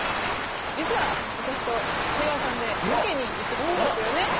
実は私と長谷川さんでロケに行って来たんですよね。